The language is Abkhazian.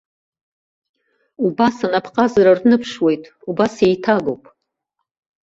Убас анапҟазара рныԥшуеит, убас иеиҭагоуп.